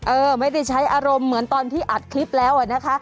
เออไม่ได้ใช้อารมณ์เหมือนตอนที่อัดคลิปแล้วอะนะคะ